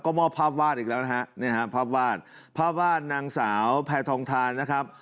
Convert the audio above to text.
มอบภาพวาดอีกแล้วนะฮะเนี่ยฮะภาพวาดภาพวาดนางสาวแพทองทานนะครับ